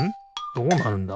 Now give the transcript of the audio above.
どうなるんだ？